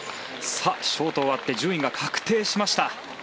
ショートが終わって順位が確定しました。